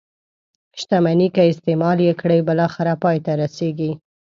شتمني که استعمال یې کړئ بالاخره پای ته رسيږي.